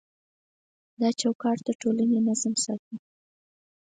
دا چوکاټ د ټولنې نظم ساتي.